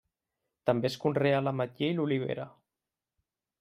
També es conrea l'ametller i l'olivera.